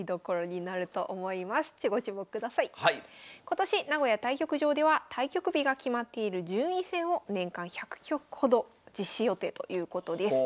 今年名古屋対局場では対局日が決まっている順位戦を年間１００局ほど実施予定ということです。